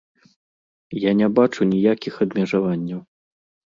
Я не бачу ніякіх абмежаванняў.